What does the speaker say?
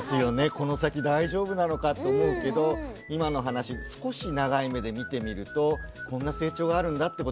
この先大丈夫なのかと思うけど今の話少し長い目で見てみるとこんな成長があるんだってことはよく分かりました。